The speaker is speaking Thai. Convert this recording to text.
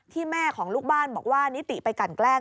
แม่ของลูกบ้านบอกว่านิติไปกันแกล้ง